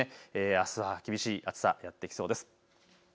あすは厳しい暑さやって来そうです。